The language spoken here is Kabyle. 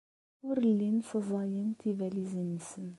Ur llin ssaẓayen tibalizin-nsen.